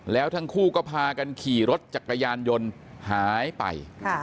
แล้วทั้งคู่ก็พากันขี่รถจักรยานยนต์หายไป